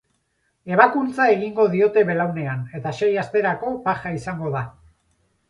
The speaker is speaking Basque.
Ebakuntza egingo diote belaunean eta sei asterako baja izango da.